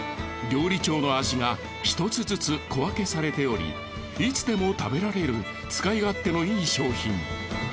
料理長の味が１つずつ小分けされておりいつでも食べられる使い勝手のいい商品。